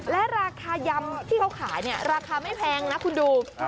และราคายำที่เขาขายเนี่ยราคาไม่แพงนะคุณดู